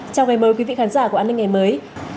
chào mừng quý vị khán giả của an ninh ngày mới